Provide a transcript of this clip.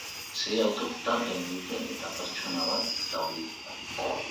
Sei autok talka egin dute eta pertsona bat zauritu da.